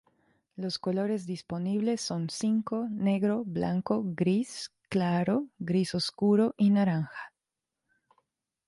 Los colores disponibles son cinco: negro, blanco, gris claro, gris oscuro y naranja.